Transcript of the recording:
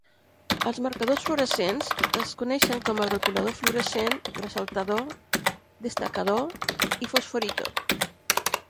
Els marcadors fluorescents es coneixen com "rotulador fluorescente", "resaltador", "destacador", i "fosforito".